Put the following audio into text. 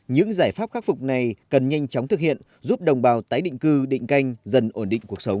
những giải pháp khắc phục này cần nhanh chóng thực hiện giúp đồng bào tái định cư định canh dần ổn định cuộc sống